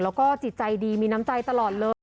แล้วก็จิตใจดีมีน้ำใจตลอดเลย